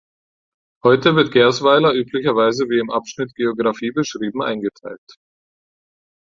Heute wird Gersweiler üblicherweise wie im Abschnitt Geografie beschrieben eingeteilt.